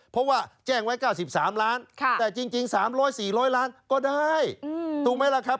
เพราะว่าแจ้งไว้๙๓ล้านแต่จริง๓๐๐๔๐๐ล้านก็ได้ถูกไหมล่ะครับ